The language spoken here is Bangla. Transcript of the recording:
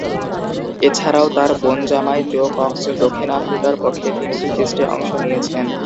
এছাড়াও, তার বোন জামাই জো কক্স দক্ষিণ আফ্রিকার পক্ষে তিনটি টেস্টে অংশ নিয়েছেন।